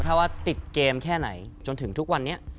ถ้าว่าติดเกมแค่ไหนจนถึงทุกวันนี้